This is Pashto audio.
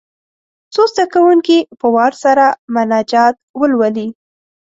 څو زده کوونکي په وار سره مناجات ولولي.